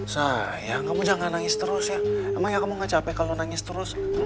sah ya kamu jangan nangis terus ya emang ya kamu gak capek kalau nangis terus